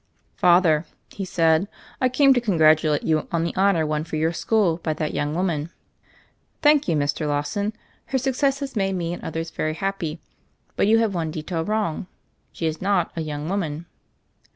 "Father," he said, "I came to congratulate you on the honor won for your school by that young woman." "Thank you, Mr. Lawson. Her success has made me and others very happy. But you have one detail wrong; she is not a young woman."